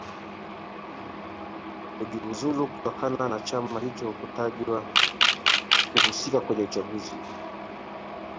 kujiuzulu kutokana na chama hicho kutajwa kuhusika kwenye uchunguzi